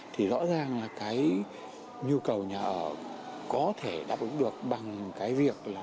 thì rõ ràng là cái nhu cầu nhà ở có thể đáp ứng được bằng cái việc là